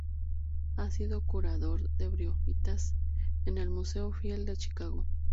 Ha sido curador de briófitas en el Museo Field de Chicago.